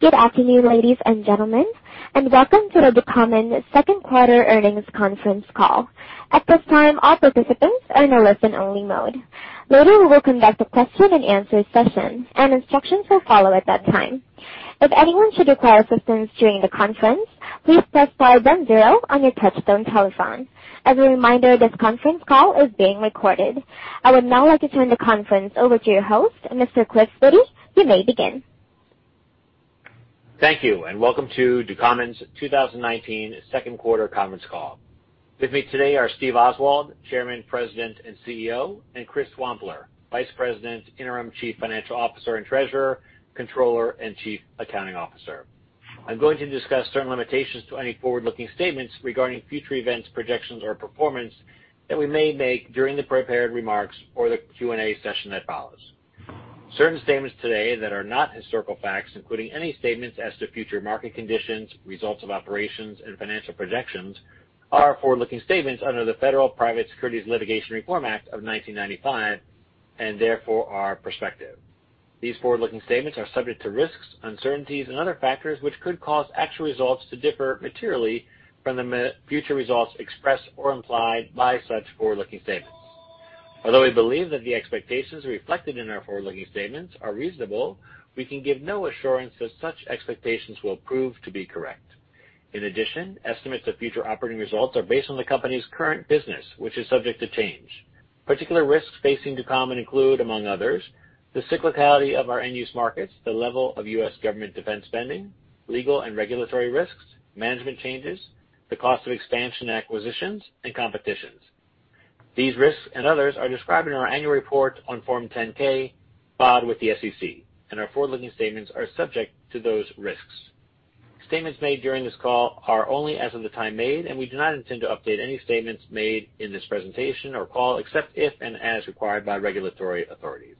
Good afternoon, ladies and gentlemen, and welcome to the Ducommun second quarter earnings conference call. At this time, all participants are in a listen-only mode. Later, we will conduct a question and answer session, and instructions will follow at that time. If anyone should require assistance during the conference, please press star then zero on your touch-tone telephone. As a reminder, this conference call is being recorded. I would now like to turn the conference over to your host, Mr. Chris Witty. You may begin. Thank you. Welcome to Ducommun's 2019 second quarter conference call. With me today are Steve Oswald, Chairman, President, and CEO, and Chris Wampler, Vice President, Interim Chief Financial Officer, and Treasurer, Controller, and Chief Accounting Officer. I'm going to discuss certain limitations to any forward-looking statements regarding future events, projections, or performance that we may make during the prepared remarks or the Q&A session that follows. Certain statements today that are not historical facts, including any statements as to future market conditions, results of operations, and financial projections are forward-looking statements under the Federal Private Securities Litigation Reform Act of 1995 and therefore are prospective. These forward-looking statements are subject to risks, uncertainties, and other factors which could cause actual results to differ materially from the future results expressed or implied by such forward-looking statements. Although we believe that the expectations reflected in our forward-looking statements are reasonable, we can give no assurance that such expectations will prove to be correct. In addition, estimates of future operating results are based on the company's current business, which is subject to change. Particular risks facing Ducommun include, among others, the cyclicality of our end-use markets, the level of U.S. government defense spending, legal and regulatory risks, management changes, the cost of expansion and acquisitions, and competitions. These risks and others are described in our annual report on Form 10-K filed with the SEC, and our forward-looking statements are subject to those risks. Statements made during this call are only as of the time made, and we do not intend to update any statements made in this presentation or call, except if and as required by regulatory authorities.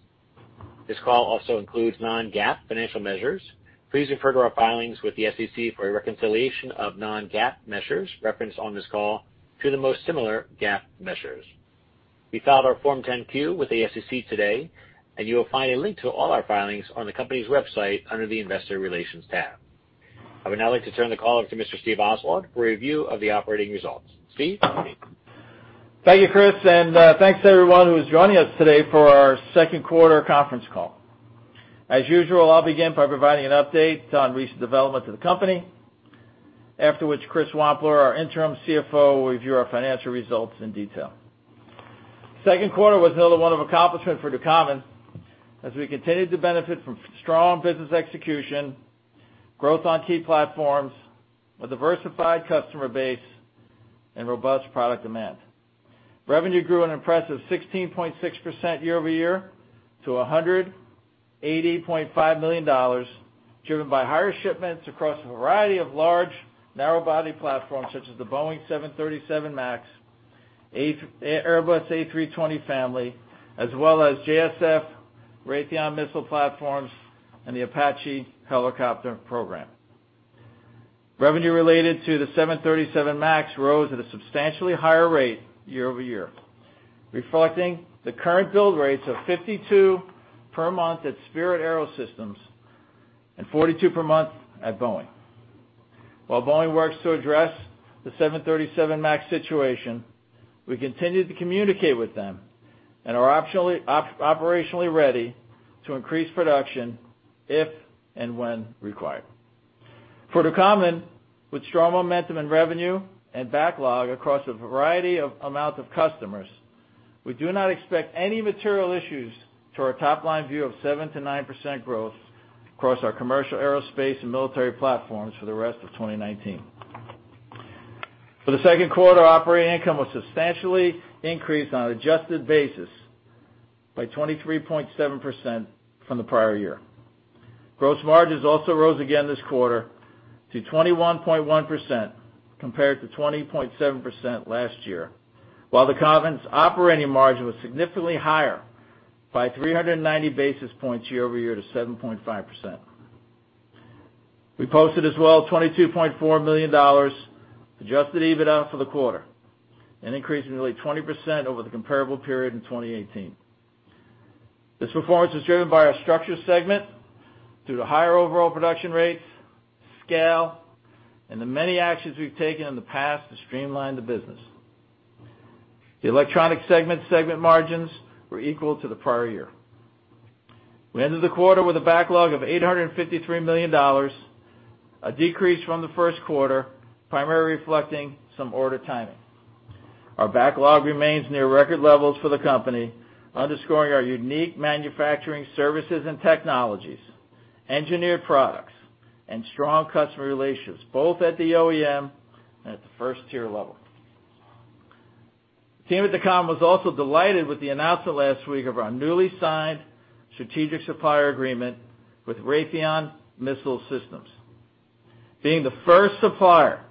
This call also includes non-GAAP financial measures. Please refer to our filings with the SEC for a reconciliation of non-GAAP measures referenced on this call to the most similar GAAP measures. We filed our Form 10-Q with the SEC today, and you will find a link to all our filings on the company's website under the investor relations tab. I would now like to turn the call over to Mr. Steve Oswald for a review of the operating results. Steve, to you. Thank you, Chris, and thanks to everyone who is joining us today for our second quarter conference call. As usual, I'll begin by providing an update on recent developments of the company, after which Chris Wampler, our Interim CFO, will review our financial results in detail. Second quarter was another one of accomplishment for Ducommun as we continued to benefit from strong business execution, growth on key platforms, a diversified customer base, and robust product demand. Revenue grew an impressive 16.6% year over year to $180.5 million, driven by higher shipments across a variety of large narrow-body platforms such as the Boeing 737 MAX, Airbus A320 family, as well as JSF, Raytheon missile platforms, and the Apache helicopter program. Revenue related to the 737 MAX rose at a substantially higher rate year-over-year, reflecting the current build rates of 52 per month at Spirit AeroSystems and 42 per month at Boeing. While Boeing works to address the 737 MAX situation, we continue to communicate with them and are operationally ready to increase production if and when required. For Ducommun, with strong momentum in revenue and backlog across a variety of amount of customers, we do not expect any material issues to our top-line view of 7%-9% growth across our commercial aerospace and military platforms for the rest of 2019. For the second quarter, operating income was substantially increased on an adjusted basis by 23.7% from the prior year. Gross margins also rose again this quarter to 21.1% compared to 20.7% last year, while Ducommun's operating margin was significantly higher by 390 basis points year-over-year to 7.5%. We posted as well $22.4 million adjusted EBITDA for the quarter, an increase of nearly 20% over the comparable period in 2018. This performance was driven by our Structures segment through the higher overall production rates, scale, and the many actions we've taken in the past to streamline the business. The Electronic segment margins were equal to the prior year. We ended the quarter with a backlog of $853 million, a decrease from the first quarter, primarily reflecting some order timing. Our backlog remains near record levels for the company, underscoring our unique manufacturing services and technologies, engineered products, and strong customer relationships, both at the OEM and at the first-tier level. The team at Ducommun was also delighted with the announcement last week of our newly signed strategic supplier agreement with Raytheon Missile Systems. Being the first supplier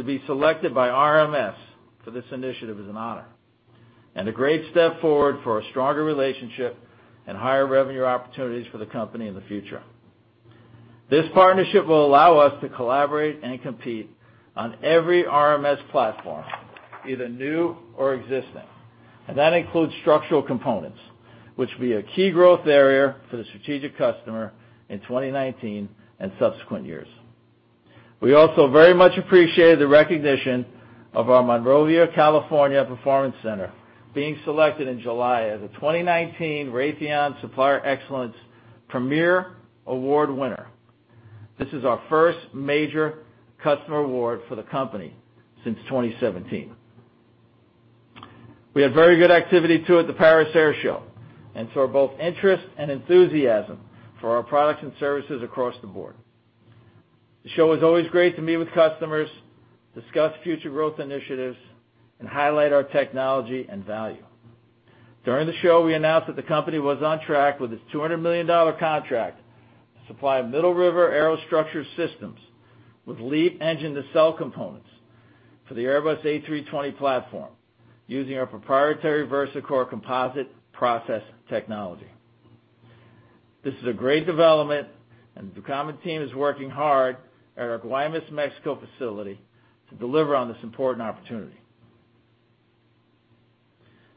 to be selected by RMS for this initiative is an honor and a great step forward for a stronger relationship and higher revenue opportunities for the company in the future. This partnership will allow us to collaborate and compete on every RMS platform, either new or existing. That includes structural components, which will be a key growth area for the strategic customer in 2019 and subsequent years. We also very much appreciated the recognition of our Monrovia, California, performance center being selected in July as a 2019 Raytheon Supplier Excellence Premier Award winner. This is our first major customer award for the company since 2017. We had very good activity, too, at the Paris Air Show, and saw both interest and enthusiasm for our products and services across the board. The show is always great to meet with customers, discuss future growth initiatives, and highlight our technology and value. During the show, we announced that the company was on track with its $200 million contract to supply Middle River Aerostructure Systems with LEAP engine nacelle components for the Airbus A320 platform using our proprietary VersaCore Composite process technology. This is a great development, and Ducommun team is working hard at our Guaymas, Mexico, facility to deliver on this important opportunity.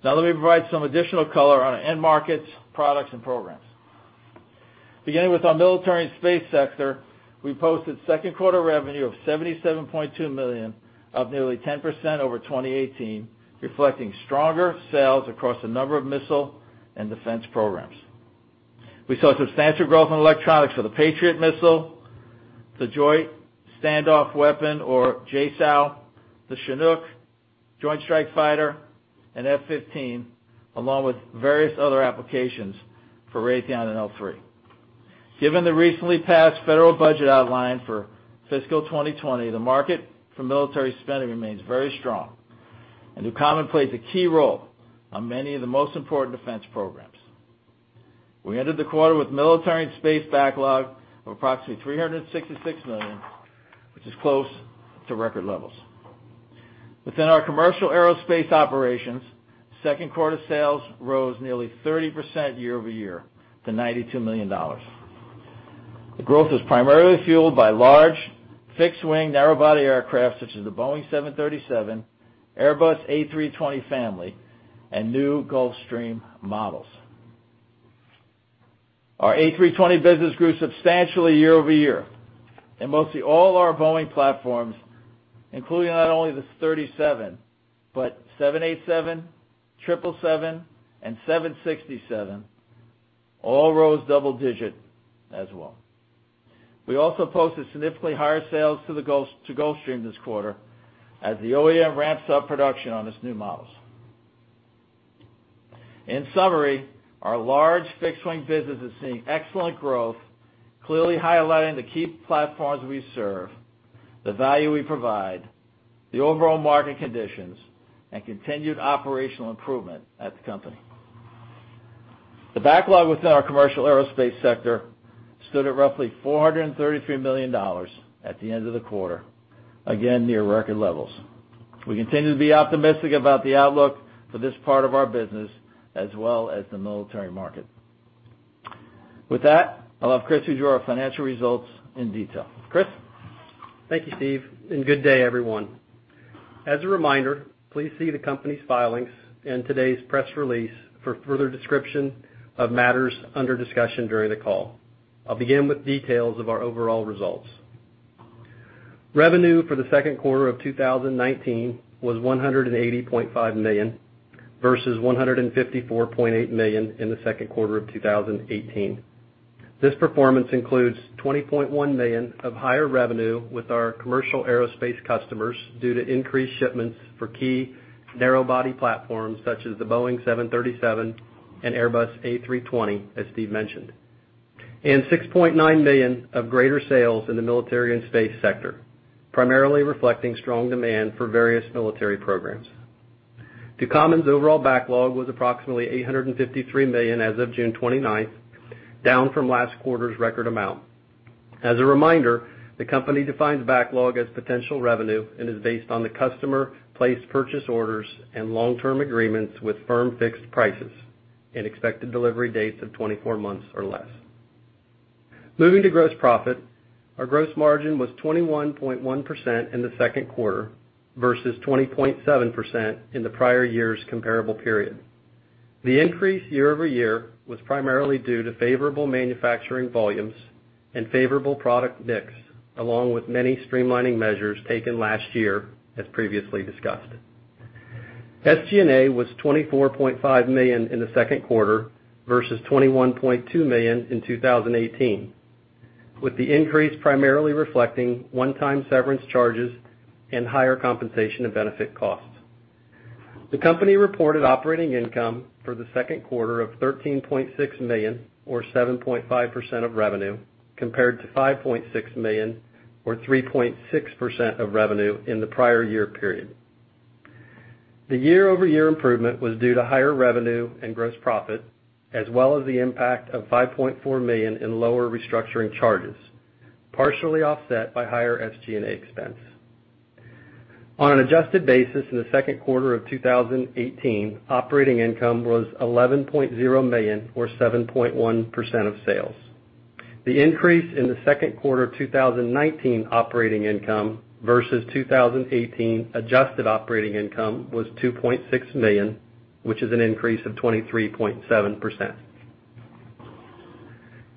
Now let me provide some additional color on our end markets, products, and programs. Beginning with our military and space sector, we posted second quarter revenue of $77.2 million, up nearly 10% over 2018, reflecting stronger sales across a number of missile and defense programs. We saw substantial growth in electronics for the Patriot missile, the Joint Standoff Weapon, or JSOW, the Chinook, Joint Strike Fighter, and F-15, along with various other applications for Raytheon and L-3. Given the recently passed federal budget outline for fiscal 2020, the market for military spending remains very strong, and Ducommun plays a key role on many of the most important defense programs. We ended the quarter with military and space backlog of approximately $366 million, which is close to record levels. Within our commercial aerospace operations, second quarter sales rose nearly 30% year-over-year to $92 million. The growth was primarily fueled by large, fixed-wing, narrow-body aircraft such as the Boeing 737, Airbus A320 family, and new Gulfstream models. Our A320 business grew substantially year-over-year, and mostly all our Boeing platforms, including not only the 37, but 787, 777, and 767 all rose double digit as well. We also posted significantly higher sales to Gulfstream this quarter as the OEM ramps up production on its new models. In summary, our large fixed-wing business is seeing excellent growth, clearly highlighting the key platforms we serve, the value we provide, the overall market conditions, and continued operational improvement at the company. The backlog within our commercial aerospace sector stood at roughly $433 million at the end of the quarter, again, near record levels. We continue to be optimistic about the outlook for this part of our business, as well as the military market. With that, I'll have Chris review our financial results in detail. Chris? Thank you, Steve, and good day, everyone. As a reminder, please see the company's filings and today's press release for further description of matters under discussion during the call. I'll begin with details of our overall results. Revenue for the second quarter of 2019 was $180.5 million, versus $154.8 million in the second quarter of 2018. This performance includes $20.1 million of higher revenue with our commercial aerospace customers due to increased shipments for key narrow-body platforms such as the Boeing 737 and Airbus A320, as Steve mentioned. $6.9 million of greater sales in the military and space sector, primarily reflecting strong demand for various military programs. Ducommun's overall backlog was approximately $853 million as of June 29th, down from last quarter's record amount. As a reminder, the company defines backlog as potential revenue and is based on the customer placed purchase orders and long-term agreements with firm fixed prices and expected delivery dates of 24 months or less. Moving to gross profit, our gross margin was 21.1% in the second quarter versus 20.7% in the prior year's comparable period. The increase year-over-year was primarily due to favorable manufacturing volumes and favorable product mix, along with many streamlining measures taken last year, as previously discussed. SG&A was $24.5 million in the second quarter versus $21.2 million in 2018, with the increase primarily reflecting one-time severance charges and higher compensation and benefit costs. The company reported operating income for the second quarter of $13.6 million, or 7.5% of revenue, compared to $5.6 million, or 3.6% of revenue in the prior year period. The year-over-year improvement was due to higher revenue and gross profit, as well as the impact of $5.4 million in lower restructuring charges, partially offset by higher SG&A expense. On an adjusted basis in the second quarter of 2018, operating income was $11.0 million or 7.1% of sales. The increase in the second quarter 2019 operating income versus 2018 adjusted operating income was $2.6 million, which is an increase of 23.7%.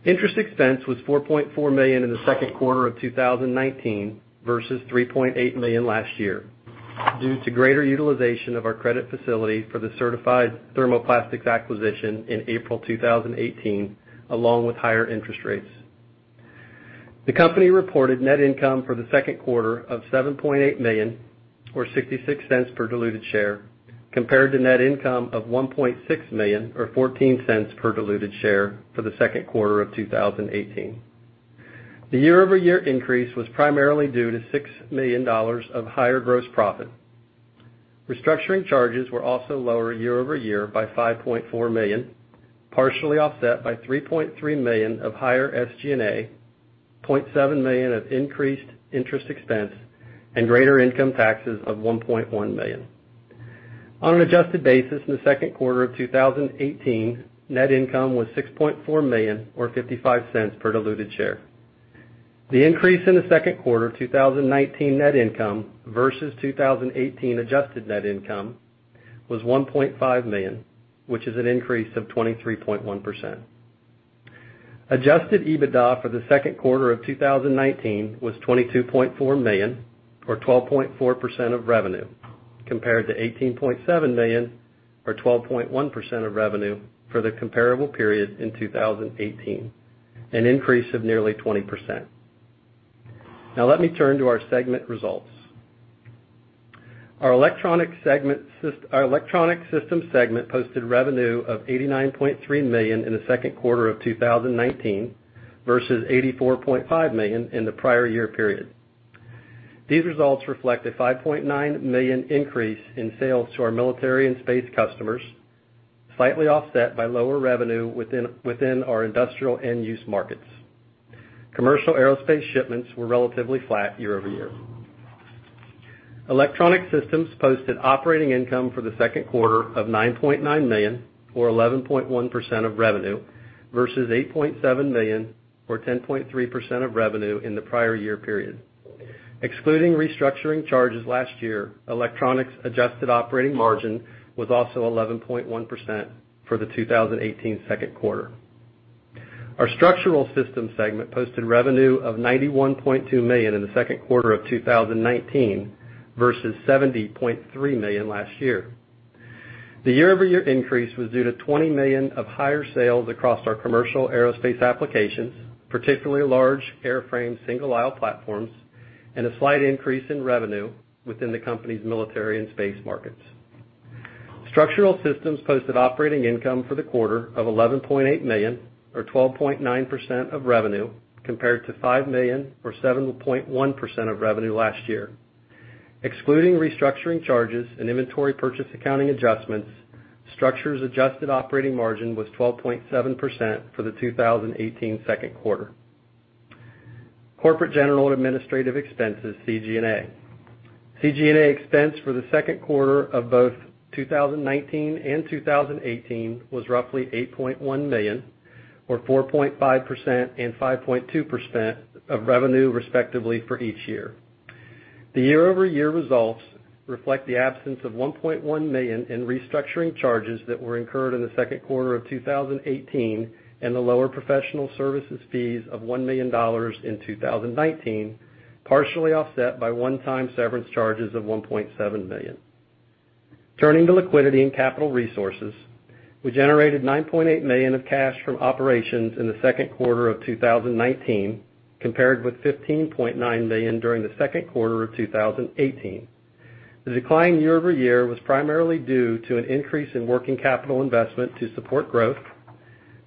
Interest expense was $4.4 million in the second quarter of 2019 versus $3.8 million last year due to greater utilization of our credit facility for the Certified Thermoplastics acquisition in April 2018, along with higher interest rates. The company reported net income for the second quarter of $7.8 million, or $0.66 per diluted share, compared to net income of $1.6 million, or $0.14 per diluted share for the second quarter of 2018. The year-over-year increase was primarily due to $6 million of higher gross profit. Restructuring charges were also lower year-over-year by $5.4 million, partially offset by $3.3 million of higher SG&A, $0.7 million of increased interest expense, and greater income taxes of $1.1 million. On an adjusted basis in the second quarter of 2018, net income was $6.4 million or $0.55 per diluted share. The increase in the second quarter of 2019 net income versus 2018 adjusted net income was $1.5 million, which is an increase of 23.1%. Adjusted EBITDA for the second quarter of 2019 was $22.4 million or 12.4% of revenue, compared to $18.7 million or 12.1% of revenue for the comparable period in 2018, an increase of nearly 20%. Now, let me turn to our segment results. Our Electronic Systems segment posted revenue of $89.3 million in the second quarter of 2019 versus $84.5 million in the prior year period. These results reflect a $5.9 million increase in sales to our military and space customers, slightly offset by lower revenue within our industrial end-use markets. Commercial aerospace shipments were relatively flat year-over-year. Electronic Systems posted operating income for the second quarter of $9.9 million, or 11.1% of revenue, versus $8.7 million or 10.3% of revenue in the prior year period. Excluding restructuring charges last year, Electronics' adjusted operating margin was also 11.1% for the 2018 second quarter. Our Structural Systems segment posted revenue of $91.2 million in the second quarter of 2019 versus $70.3 million last year. The year-over-year increase was due to $20 million of higher sales across our commercial aerospace applications, particularly large airframe single-aisle platforms, and a slight increase in revenue within the company's military and space markets. Structural systems posted operating income for the quarter of $11.8 million, or 12.9% of revenue, compared to $5 million or 7.1% of revenue last year. Excluding restructuring charges and inventory purchase accounting adjustments, structures' adjusted operating margin was 12.7% for the 2018 second quarter. Corporate general and administrative expenses, CG&A. CG&A expense for the second quarter of both 2019 and 2018 was roughly $8.1 million, or 4.5% and 5.2% of revenue, respectively, for each year. The year-over-year results reflect the absence of $1.1 million in restructuring charges that were incurred in the second quarter of 2018 and the lower professional services fees of $1 million in 2019, partially offset by one-time severance charges of $1.7 million. Turning to liquidity and capital resources, we generated $9.8 million of cash from operations in the second quarter of 2019, compared with $15.9 million during the second quarter of 2018. The decline year-over-year was primarily due to an increase in working capital investment to support growth,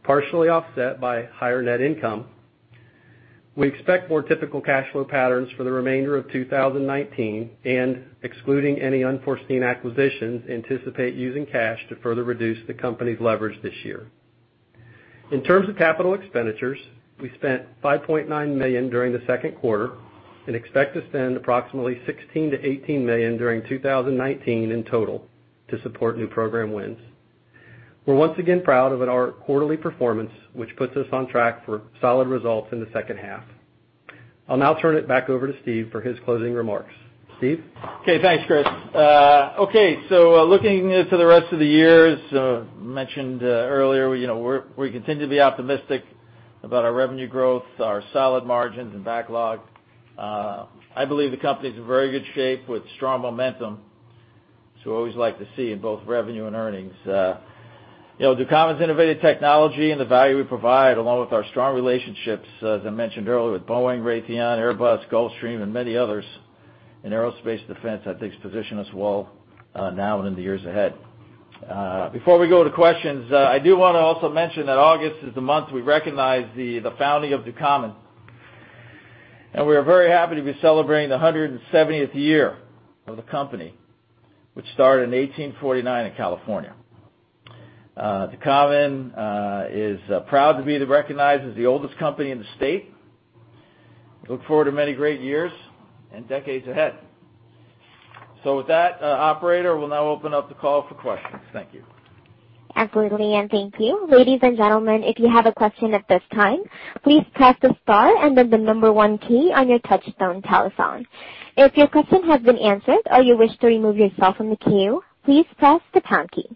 partially offset by higher net income. We expect more typical cash flow patterns for the remainder of 2019 and, excluding any unforeseen acquisitions, anticipate using cash to further reduce the company's leverage this year. In terms of capital expenditures, we spent $5.9 million during the second quarter and expect to spend approximately $16 million-$18 million during 2019 in total to support new program wins. We're once again proud of our quarterly performance, which puts us on track for solid results in the second half. I'll now turn it back over to Steve for his closing remarks. Steve? Okay. Thanks, Chris. Okay, looking into the rest of the year, as mentioned earlier, we continue to be optimistic about our revenue growth, our solid margins, and backlog. I believe the company's in very good shape with strong momentum, which we always like to see in both revenue and earnings. Ducommun's innovative technology and the value we provide, along with our strong relationships, as I mentioned earlier, with Boeing, Raytheon, Airbus, Gulfstream, and many others in aerospace defense, I think, has positioned us well now and in the years ahead. Before we go to questions, I do want to also mention that August is the month we recognize the founding of Ducommun. We are very happy to be celebrating the 170th year of the company, which started in 1849 in California. Ducommun is proud to be recognized as the oldest company in the state. We look forward to many great years and decades ahead. With that, operator, we'll now open up the call for questions. Thank you. Absolutely, thank you. Ladies and gentlemen, if you have a question at this time, please press the star and then the number one key on your touch-tone telephone. If your question has been answered or you wish to remove yourself from the queue, please press the pound key.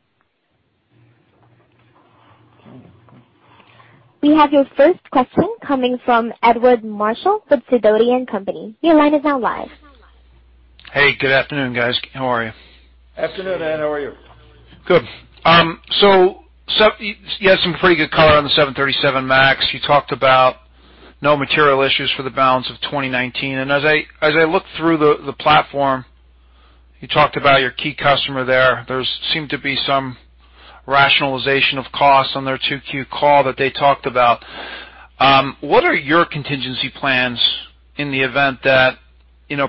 We have your first question coming from Edward Marshall with Sidoti & Company. Your line is now live. Hey, good afternoon, guys. How are you? Afternoon, Ed. How are you? Good. You had some pretty good color on the 737 MAX. You talked about no material issues for the balance of 2019, and as I look through the platform, you talked about your key customer there. There seemed to be some rationalization of costs on their 2Q call that they talked about. What are your contingency plans in the event that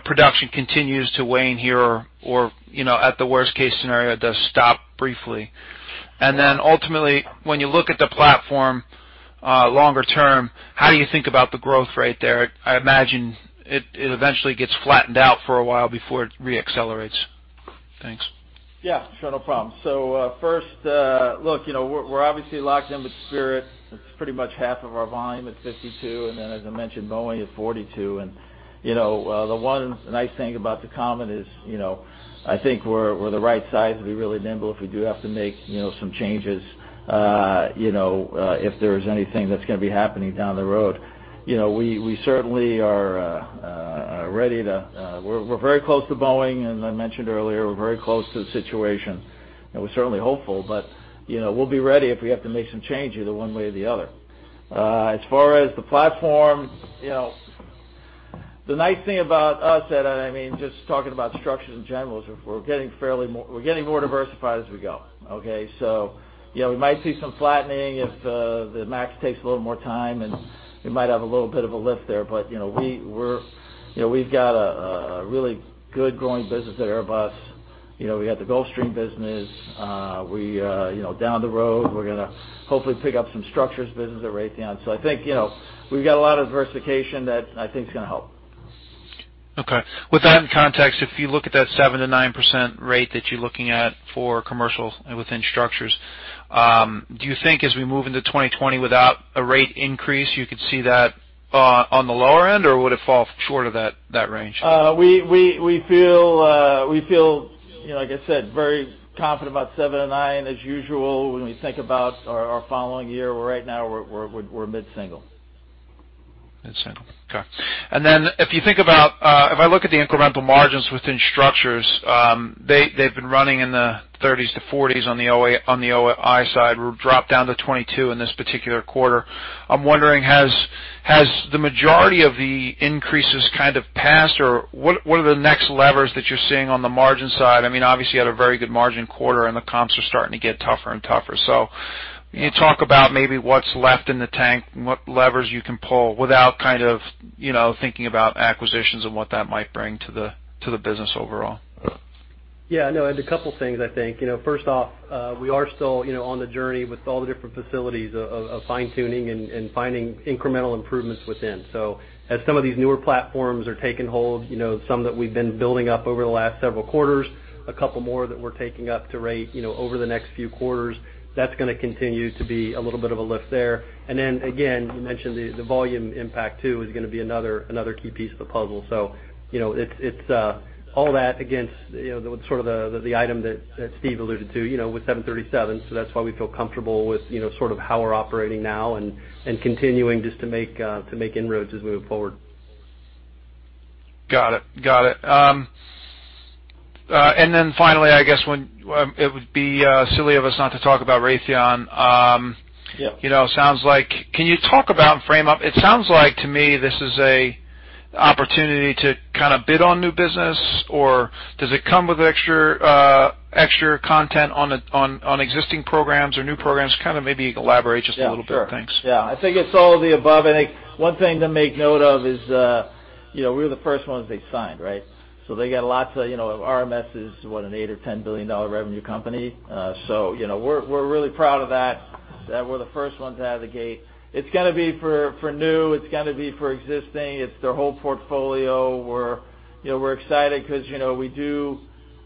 production continues to wane here or, at the worst case scenario, does stop briefly? Ultimately, when you look at the platform longer term, how do you think about the growth rate there? I imagine it eventually gets flattened out for a while before it re-accelerates. Thanks. Yeah, sure. No problem. First, look, we're obviously locked in with Spirit. It's pretty much half of our volume at 52, and then as I mentioned, Boeing is 42. The one nice thing about Ducommun is, I think we're the right size to be really nimble if we do have to make some changes if there's anything that's going to be happening down the road. We certainly are ready. We're very close to Boeing, and as I mentioned earlier, we're very close to the situation, and we're certainly hopeful, but we'll be ready if we have to make some changes one way or the other. As far as the platform, the nice thing about us, Ed, I mean, just talking about structures in general, is we're getting more diversified as we go. Okay? We might see some flattening if the 737 MAX takes a little more time, and we might have a little bit of a lift there, but we've got a really good growing business at Airbus. We got the Gulfstream business. Down the road, we're going to hopefully pick up some structures business at Raytheon. I think we've got a lot of diversification that I think is going to help. Okay. With that in context, if you look at that 7%-9% rate that you're looking at for commercial and within structures, do you think as we move into 2020 without a rate increase, you could see that on the lower end, or would it fall short of that range? We feel, like I said, very confident about seven and nine. As usual, when we think about our following year, right now, we're mid-single. Mid-single. Okay. If I look at the incremental margins within structures, they've been running in the 30s to 40s on the OI side. We're dropped down to 22 in this particular quarter. I'm wondering, has the majority of the increases kind of passed, or what are the next levers that you're seeing on the margin side? Obviously, you had a very good margin quarter, and the comps are starting to get tougher and tougher. Can you talk about maybe what's left in the tank, what levers you can pull without thinking about acquisitions and what that might bring to the business overall? Yeah. No, Edward, a couple things, I think. First off, we are still on the journey with all the different facilities of fine-tuning and finding incremental improvements within. As some of these newer platforms are taking hold, some that we've been building up over the last several quarters, a couple more that we're taking up to rate over the next few quarters, that's going to continue to be a little bit of a lift there. Again, you mentioned the volume impact, too, is going to be another key piece of the puzzle. It's all that against sort of the item that Steve alluded to with 737. That's why we feel comfortable with sort of how we're operating now and continuing just to make inroads as we move forward. Got it. Then finally, I guess it would be silly of us not to talk about Raytheon. Yeah. Can you talk about and frame up? It sounds like to me, this is an opportunity to kind of bid on new business, or does it come with extra content on existing programs or new programs? Can you maybe elaborate just a little bit? Yeah, sure. Thanks. Yeah. I think it's all of the above. I think one thing to make note of is we were the first ones they signed, right? They got lots of RMSs, what an $8 or $10 billion revenue company. We're really proud of that we're the first ones out of the gate. It's going to be for new, it's going to be for existing. It's their whole portfolio. We're excited because we do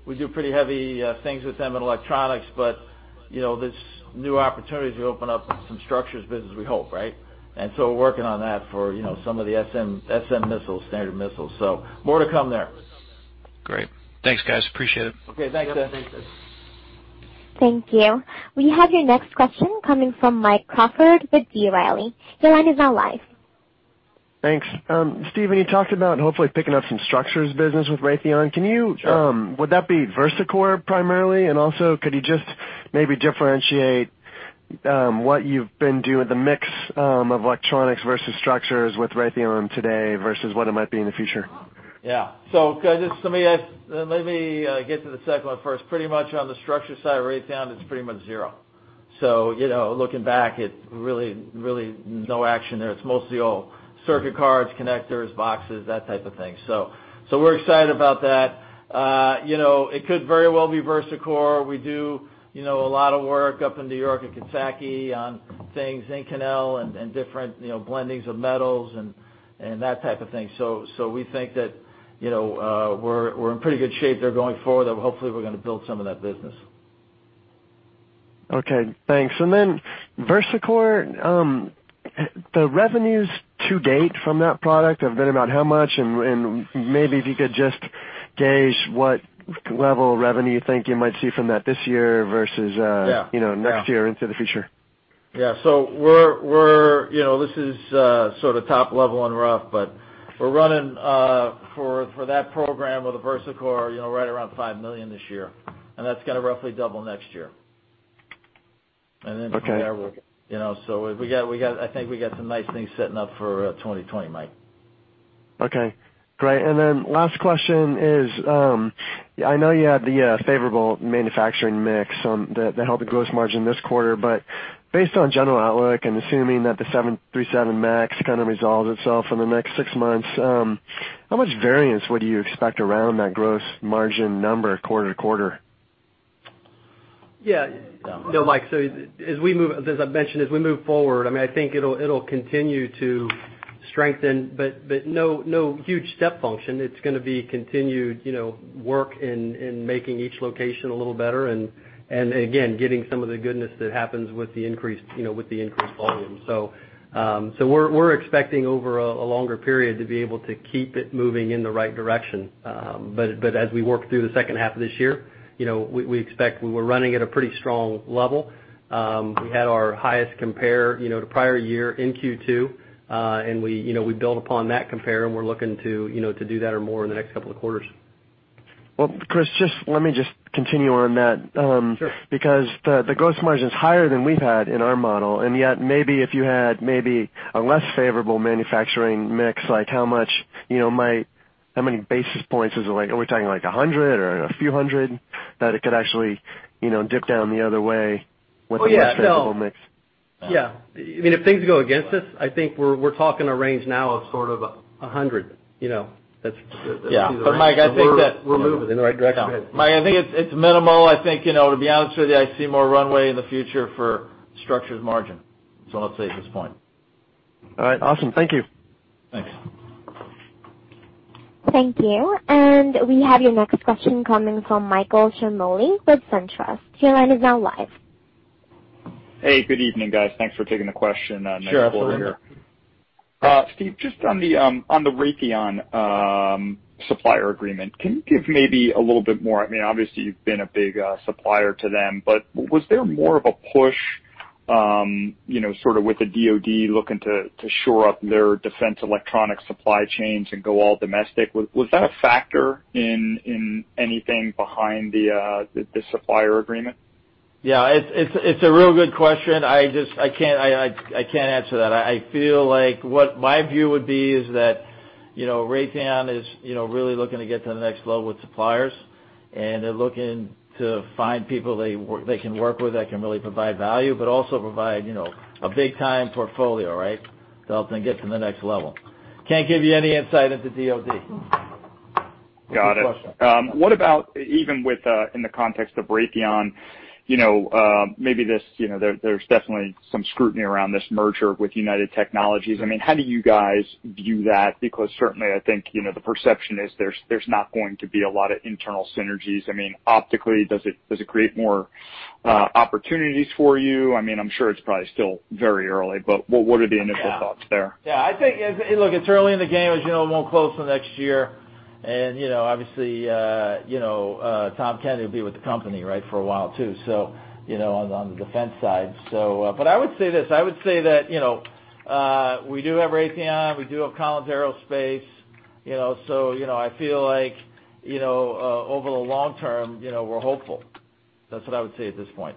pretty heavy things with them in electronics, but this new opportunity to open up some structures business we hope, right? We're working on that for some of the SM missiles, Standard Missiles. More to come there. Great. Thanks, guys. Appreciate it. Okay. Thanks, Ed. Yep. Thanks, Ed. Thank you. We have your next question coming from Mike Crawford with B. Riley. Your line is now live. Thanks. Stephen, you talked about hopefully picking up some structures business with Raytheon. Sure. Would that be VersaCore primarily, and also could you just maybe differentiate what you've been doing, the mix of electronics versus structures with Raytheon today versus what it might be in the future? Yeah. Let me get to the second one first. Pretty much on the structure side of Raytheon, it's pretty much zero. Looking back, it really no action there. It's mostly all circuit cards, connectors, boxes, that type of thing. We're excited about that. It could very well be VersaCore. We do a lot of work up in New York and Kentucky on things, Inconel and different blendings of metals and that type of thing. We think that we're in pretty good shape there going forward, that hopefully we're going to build some of that business. Okay, thanks. Then VersaCore, the revenues to date from that product have been about how much? Maybe if you could just gauge what level of revenue you think you might see from that this year versus- Yeah next year into the future. Yeah. This is sort of top level and rough, but we're running, for that program with the VersaCore, right around $5 million this year, and that's going to roughly double next year. Okay. From there, I think we got some nice things setting up for 2020, Mike. Okay, great. Last question is, I know you had the favorable manufacturing mix that helped the gross margin this quarter, but based on general outlook and assuming that the 737 MAX kind of resolves itself in the next six months, how much variance would you expect around that gross margin number quarter to quarter? Yeah. No, Mike, as I mentioned, I think it'll continue to strengthen, but no huge step function. It's going to be continued work in making each location a little better, and again, getting some of the goodness that happens with the increased volume. We're expecting over a longer period to be able to keep it moving in the right direction. As we work through the second half of this year, we were running at a pretty strong level. We had our highest compare to prior year in Q2. We build upon that compare, and we're looking to do that or more in the next couple of quarters. Well, Chris, let me just continue on that. Sure. Because the gross margin's higher than we've had in our model, and yet maybe if you had maybe a less favorable manufacturing mix, how many basis points is it? Are we talking like 100 or a few hundred that it could actually dip down the other way? Well, yeah. a less favorable mix? Yeah. If things go against us, I think we're talking a range now of sort of 100. Yeah. Mike. We're moving in the right direction. Mike, I think it's minimal. I think, to be honest with you, I see more runway in the future for structured margin. I'll say at this point. All right, awesome. Thank you. Thanks. Thank you. We have your next question coming from Michael Ciarmoli with SunTrust. Your line is now live. Hey, good evening, guys. Thanks for taking the question. Sure. Mike Ciarmoli here. Steve, just on the Raytheon supplier agreement, can you give maybe a little bit more, obviously you've been a big supplier to them, but was there more of a push, sort of with the DoD looking to shore up their defense electronic supply chains and go all domestic? Was that a factor in anything behind the supplier agreement? Yeah. It's a real good question. I can't answer that. I feel like what my view would be is that Raytheon is really looking to get to the next level with suppliers, and they're looking to find people they can work with that can really provide value, but also provide a big time portfolio, right, to help them get to the next level. Can't give you any insight into DoD. Got it. Good question. What about even within the context of Raytheon, maybe there's definitely some scrutiny around this merger with United Technologies? How do you guys view that? Certainly I think, the perception is there's not going to be a lot of internal synergies. Optically, does it create more opportunities for you? I'm sure it's probably still very early, but what are the initial thoughts there? Yeah. I think, look, it's early in the game. As you know, it won't close till next year. Obviously, Tom Kennedy will be with the company, right, for a while too, on the defense side. I would say this, I would say that we do have Raytheon, we do have Collins Aerospace, so I feel like over the long term, we're hopeful. That's what I would say at this point.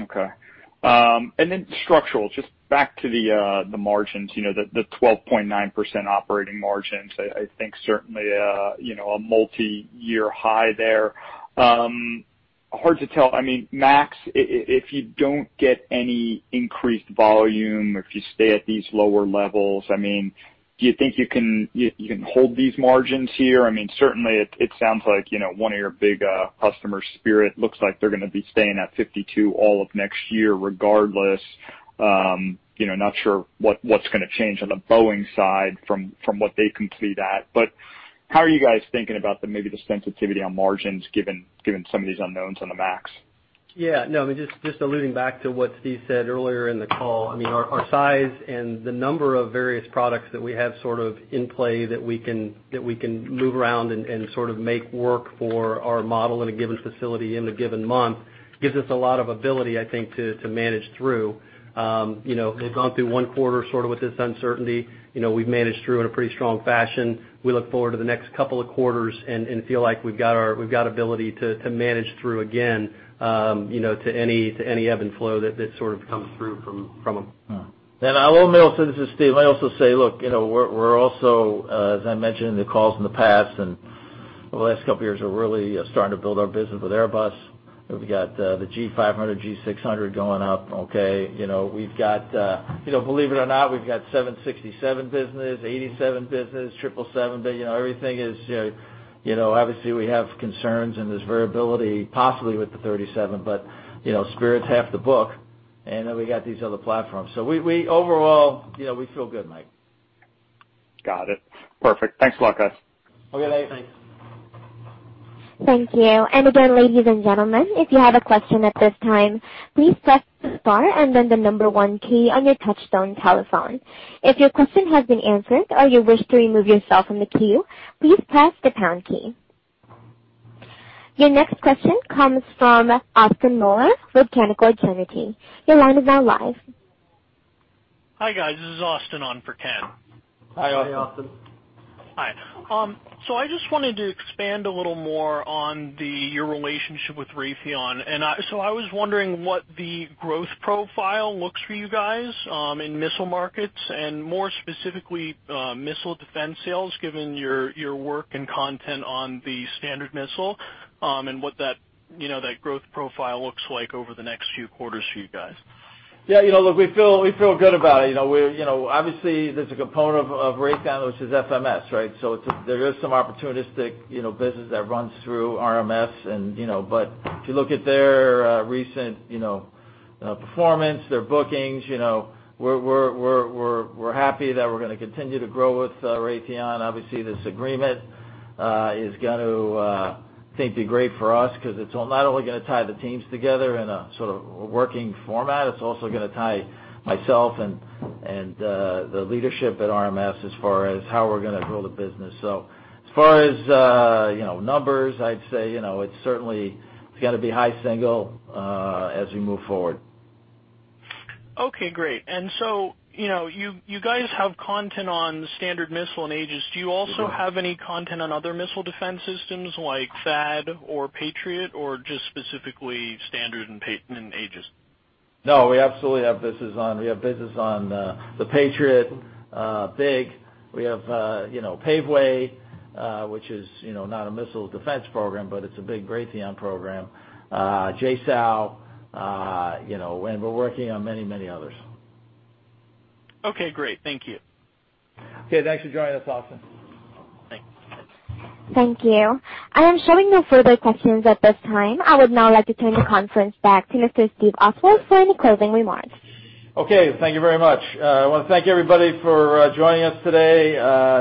Okay. Structural, just back to the margins, the 12.9% operating margins, I think certainly a multi-year high there. Hard to tell, 737 MAX, if you don't get any increased volume or if you stay at these lower levels, do you think you can hold these margins here? Certainly it sounds like one of your big customers, Spirit AeroSystems, looks like they're going to be staying at 52 all of next year regardless. Not sure what's going to change on the Boeing side from what they can see that. How are you guys thinking about maybe the sensitivity on margins given some of these unknowns on the 737 MAX? Just alluding back to what Steve said earlier in the call, our size and the number of various products that we have sort of in play that we can move around and sort of make work for our model in a given facility in a given month, gives us a lot of ability, I think, to manage through. We've gone through one quarter sort of with this uncertainty. We've managed through in a pretty strong fashion. We look forward to the next couple of quarters and feel like we've got ability to manage through again, to any ebb and flow that sort of comes through from them. This is Steve. I also say, look, we're also, as I mentioned in the calls in the past and over the last couple of years, we're really starting to build our business with Airbus. We've got the G500, G600 going up. Okay. Believe it or not, we've got 767 business, 787 business, 777 business. Obviously we have concerns and there's variability possibly with the 737, but Spirit's half the book, and then we got these other platforms. Overall, we feel good, Mike. Got it. Perfect. Thanks, Luca. Okay. Later, thanks. Thank you. Again, ladies and gentlemen, if you have a question at this time, please press star and then the number one key on your touchtone telephone. If your question has been answered or you wish to remove yourself from the queue, please press the pound key. Your next question comes from Austin Miller with Canaccord Genuity. Your line is now live. Hi, guys. This is Austin on for Ken. Hi, Austin. Hi, Austin. Hi. I just wanted to expand a little more on your relationship with Raytheon. I was wondering what the growth profile looks for you guys, in missile markets and more specifically, missile defense sales, given your work and content on the Standard Missile, and what that growth profile looks like over the next few quarters for you guys. Yeah, look, we feel good about it. Obviously, there's a component of Raytheon, which is FMS, right? There is some opportunistic business that runs through RMS. If you look at their recent performance, their bookings, we're happy that we're gonna continue to grow with Raytheon. Obviously, this agreement is going to, I think, be great for us because it's not only gonna tie the teams together in a sort of working format, it's also gonna tie myself and the leadership at RMS as far as how we're gonna grow the business. As far as numbers, I'd say it's certainly gonna be high single as we move forward. Okay, great. You guys have content on Standard Missile and Aegis. Do you also have any content on other missile defense systems like THAAD or Patriot or just specifically Standard and Aegis? We absolutely have business on the Patriot, big. We have Paveway, which is not a missile defense program, but it's a big Raytheon program. JSOW. We're working on many others. Okay, great. Thank you. Okay. Thanks for joining us, Austin. Thanks. Thank you. I am showing no further questions at this time. I would now like to turn the conference back to Mr. Steve Oswald for any closing remarks. Okay, thank you very much. I want to thank everybody for joining us today.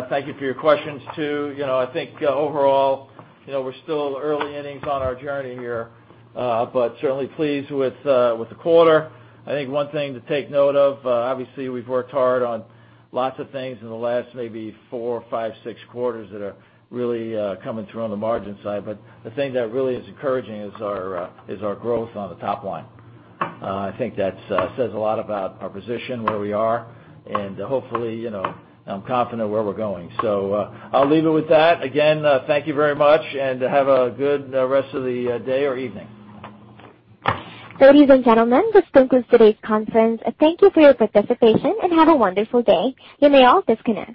Thank you for your questions too. I think overall we're still early innings on our journey here. Certainly pleased with the quarter. I think one thing to take note of, obviously we've worked hard on lots of things in the last maybe four, five, six quarters that are really coming through on the margin side. The thing that really is encouraging is our growth on the top line. I think that says a lot about our position, where we are, and hopefully, I'm confident where we're going. I'll leave it with that. Again, thank you very much and have a good rest of the day or evening. Ladies and gentlemen, this concludes today's conference. Thank you for your participation and have a wonderful day. You may all disconnect.